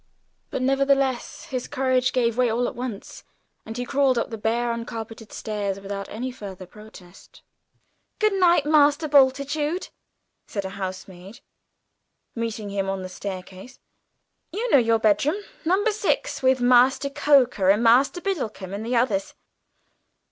But nevertheless his courage gave way all at once, and he crawled up the bare, uncarpeted stairs without any further protest! "Good night, Master Bultitude," said a housemaid, meeting him on the staircase: "you know your bedroom. No. 6, with Master Coker, and Master Biddlecomb, and the others."